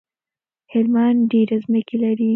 هلمند ډيری مځکی لری